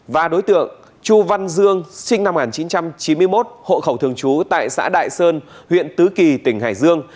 và đối tượng chu văn dương sinh năm một nghìn chín trăm chín mươi một hộ khẩu thường trú tại xã đại sơn huyện tứ kỳ tỉnh hải dương